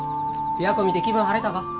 琵琶湖見て気分晴れたか？